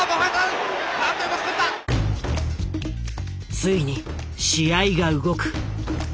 ついに試合が動く。